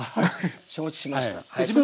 承知しました。